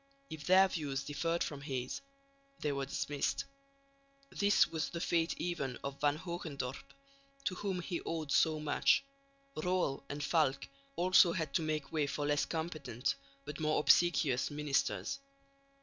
If their views differed from his, they were dismissed. This was the fate even of Van Hogendorp, to whom he owed so much; Roëll and Falck also had to make way for less competent but more obsequious ministers.